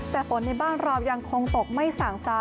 แต่ฝนในบ้านเรายังคงตกไม่สั่งซ้า